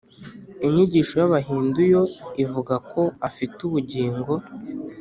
inyigisho y’abahindu yo ivuga ko afite ubugingo